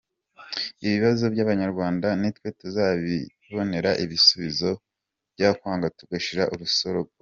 Ibibazo by’abanyarwanda nitwe tuzabibonera ibisubizo byakwanga tugashira urusorongo.